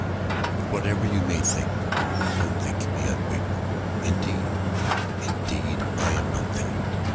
But whatever you may think, don't think me ungrateful. Indeed, indeed I am not that.